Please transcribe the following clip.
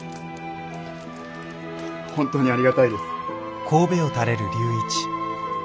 本当にありがたいです。